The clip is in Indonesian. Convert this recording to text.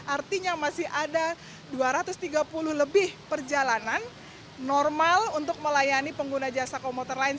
artinya masih ada dua ratus tiga puluh lebih perjalanan normal untuk melayani pengguna jasa komuter lain